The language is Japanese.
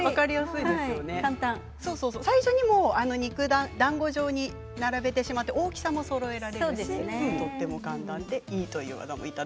最初に肉だんごでだんご状に並べてしまって大きさもそろえられるのでとても簡単でいいということです。